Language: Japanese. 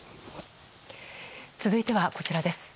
続いてはこちらです。